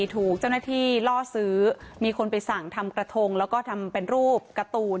ถูกเจ้าหน้าที่ล่อซื้อมีคนไปสั่งทำกระทงแล้วก็ทำเป็นรูปการ์ตูน